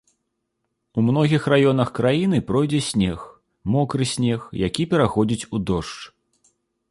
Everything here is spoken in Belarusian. У многіх раёнах краіны пройдзе снег, мокры снег, які пераходзіць у дождж.